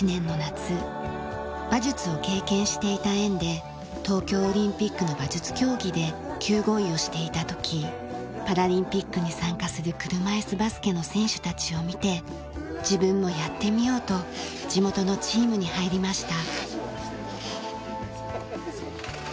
馬術を経験していた縁で東京オリンピックの馬術競技で救護医をしていた時パラリンピックに参加する車いすバスケの選手たちを見て自分もやってみようと地元のチームに入りました。